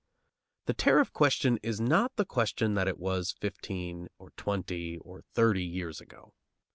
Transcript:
The tariff question is not the question that it was fifteen or twenty or thirty years ago.